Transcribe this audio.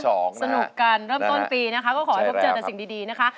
สนุกกันเริ่มต้นปีนะคะก็ขอให้พบเจอแต่สิ่งดีนะคะ